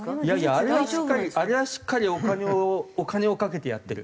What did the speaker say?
あれはしっかりあれはしっかりお金をお金をかけてやってる。